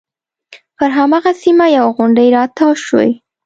پر هماغه سیمه یوه غونډۍ راتاو شوې.